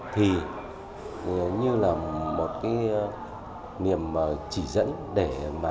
thì như là một cái niềm chỉ dẫn để mà